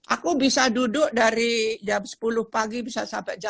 aku bisa duduk dari jam sepuluh pagi bisa sampai jam empat jam lima